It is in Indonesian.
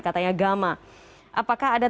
katanya gama apakah ada